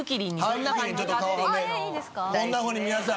こんなふうに皆さん。